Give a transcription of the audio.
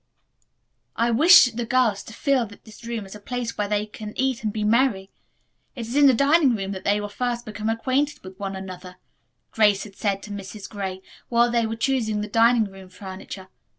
"I wish the girls to feel that this room is a place where they can eat and be merry. It is in the dining room that they will first become acquainted with one another," Grace had said to Mrs. Gray while they were choosing the dining room furniture.